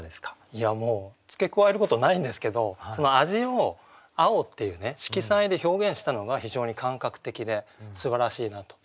いやもう付け加えることないんですけどその味を「青」っていう色彩で表現したのが非常に感覚的ですばらしいなと。